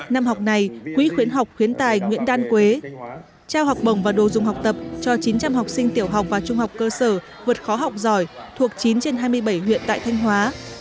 năm học này quỹ khuyến học khuyến tài nguyễn đan quế trao học bổng và đồ dùng học tập cho chín trăm linh học sinh tiểu học và trung học cơ sở vượt khó học giỏi thuộc chín trên hai mươi bảy huyện tại thanh hóa